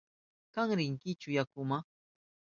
¿Kan rinkichu yakuma?